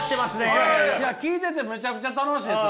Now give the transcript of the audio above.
聞いててめちゃくちゃ楽しいです。